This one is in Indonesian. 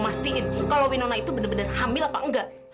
pastiin kalau winona itu bener bener hamil apa enggak